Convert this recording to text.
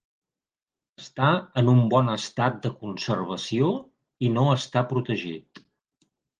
Està en un bon estat de conservació i no està protegit.